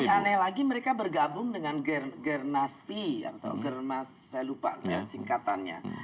aneh lagi mereka bergabung dengan gernaspi atau germas saya lupa singkatannya